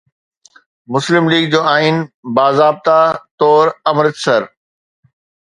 مسلم ليگ جو آئين باضابطه طور امرتسر